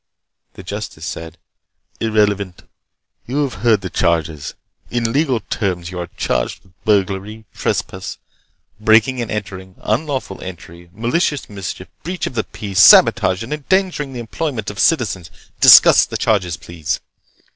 The justice said: "Irrelevant. You have heard the charges. In legal terms, you are charged with burglary, trespass, breaking and entering, unlawful entry, malicious mischief, breach of the peace, sabotage, and endangering the employment of citizens. Discuss the charges, please!"